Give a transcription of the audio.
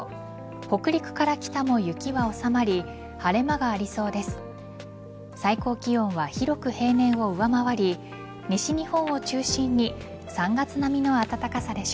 北陸から北も雪は収まり晴れ間がありそうです。